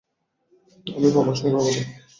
আমি প্রমাণ সংগ্রহ করব।